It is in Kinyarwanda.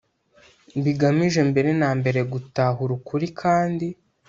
bigamije mbere na mbere gutahura ukuri kandi